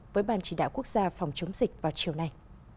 với ban chỉ đạo quốc gia phòng chống dịch vào chiều nay